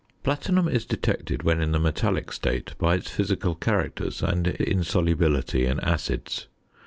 Platinum is detected when in the metallic state by its physical characters and insolubility in acids.